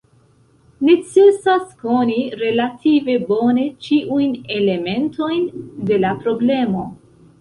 Necesas koni relative bone ĉiujn elementojn de la problemo.